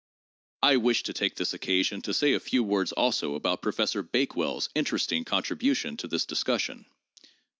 I wish to take this occasion to say a few words also about Professor Bakewell's interesting contribution to this discussion.